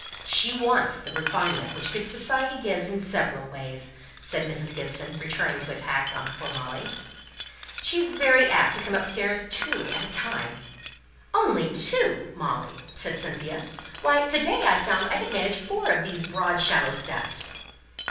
"She wants the refinement which good society gives in several ways," said Mrs. Gibson, returning to the attack on poor Molly. "She's very apt to come upstairs two steps at a time." "Only two, Molly!" said Cynthia. "Why, to day I found I could manage four of these broad shallow steps."